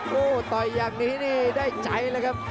โอ้โหต่อยอย่างนี้นี่ได้ใจเลยครับ